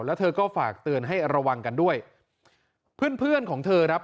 แล้วเธอก็ฝากเตือนให้ระวังกันด้วยเพื่อนเพื่อนของเธอครับ